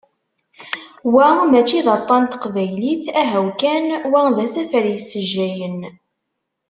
Wa mačči d aṭan n teqbaylit, ahaw kan, wa d asafar yessejjayen.